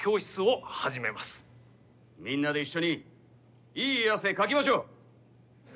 みんなで一緒にいい汗かきましょう。